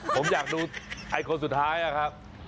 ผมอยากดูไอ้คนสุดท้ายอะครับ